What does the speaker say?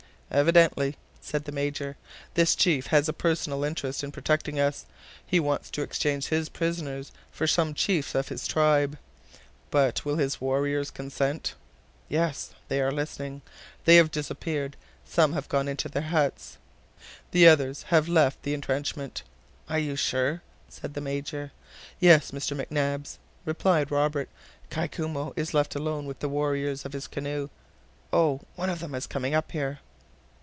...." "Evidently," said the Major, "this chief has a personal interest in protecting us. He wants to exchange his prisoners for some chiefs of his tribe! But will his warriors consent?" "Yes! ... They are listening. .... They have dispersed, some are gone into their huts. ... The others have left the intrenchment." "Are you sure?" said the Major. "Yes, Mr. McNabbs," replied Robert, "Kai Koumou is left alone with the warriors of his canoe. .... Oh! one of them is coming up here.